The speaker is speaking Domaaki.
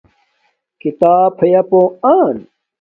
کھیتاپ ہیاپو آنم